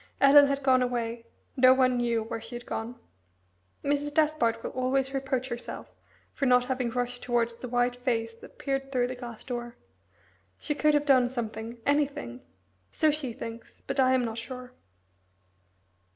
Ellen had gone away no one knew where she had gone. Mrs. Despard will always reproach herself for not having rushed towards the white face that peered through the glass door. She could have done something anything. So she thinks, but I am not sure.